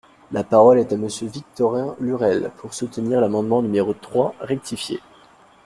La parole est à Monsieur Victorin Lurel, pour soutenir l’amendement numéro trois rectifié.